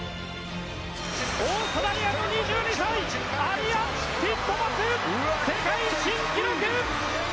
オーストラリアの２２歳アリアン・ティットマス世界新記録！